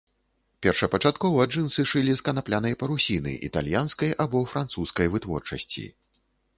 Першапачаткова джынсы шылі з канаплянай парусіны італьянскай або французскай вытворчасці.